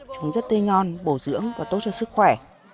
chúng rất tươi ngon bổ dưỡng và tốt cho sức khỏe